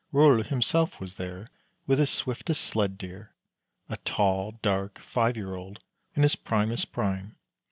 Rol himself was there with his swiftest sled Deer, a tall, dark, five year old, in his primest prime.